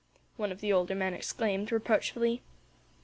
one of the older men exclaimed, reproachfully.